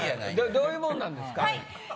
どういうもんなんですか？